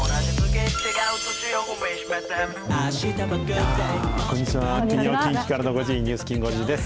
金曜近畿からの５時、ニュースきん５時です。